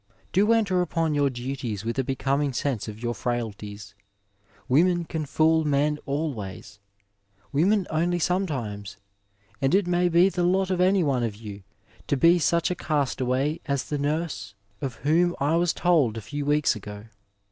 Do enter upon your duties with a becoming sense of your frailties. Women can fool men always, women only sometimes, and it may b^ the lot of any one of you to be such a castaway as the niirse of whom I was told a few weeks ago.